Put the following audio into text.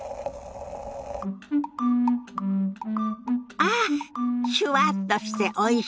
ああっシュワッとしておいし。